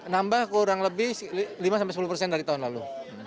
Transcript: nambah kurang lebih lima sampai sepuluh persen dari tahun lalu